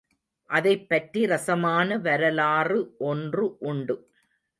அதைப்பற்றி ரஸமான வரலாறு ஒன்று உண்டு.